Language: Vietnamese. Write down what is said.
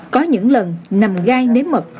có những lần nằm gai nếm mật